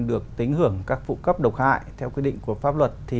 được tính hưởng các phụ cấp độc hại theo quy định của pháp luật